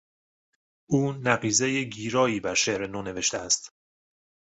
او نقیضهی گیرایی بر شعر نو نوشته است.